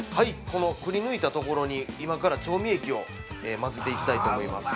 このくり抜いたところに今から調味液を混ぜていきたいと思います。